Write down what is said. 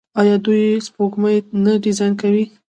آیا دوی سپوږمکۍ نه ډیزاین کوي؟